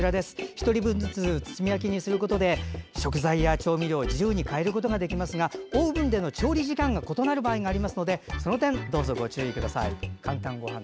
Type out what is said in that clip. １人分ずつ包み焼きにすることで食材や調味料を自由に変えることができますがオーブンでの調理時間が異なる場合がありますのでその点、ご注意ください。